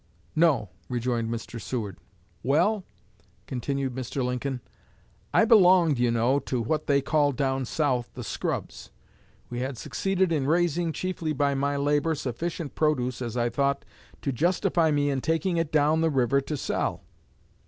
"No," rejoined Mr. Seward. "Well," continued Mr. Lincoln, "I belonged, you know, to what they call down South the 'scrubs.' We had succeeded in raising, chiefly by my labor, sufficient produce, as I thought, to justify me in taking it down the river to sell.